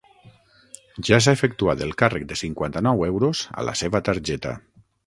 Ja s'ha efectuat el càrrec de cinquanta-nou euros a la seva targeta.